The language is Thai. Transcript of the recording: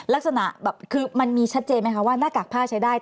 ลักษณะแบบคือมันมีชัดเจนไหมคะว่าหน้ากากผ้าใช้ได้